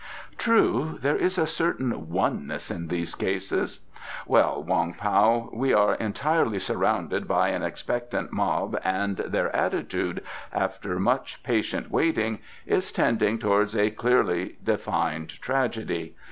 "True there is a certain oneness in these cases. Well, Wong Pao, we are entirely surrounded by an expectant mob and their attitude, after much patient waiting, is tending towards a clearly defined tragedy.